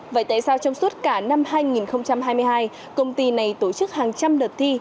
vậy tại sao trong suốt cả năm hai nghìn hai mươi hai công ty này tổ chức hàng trăm đợt thi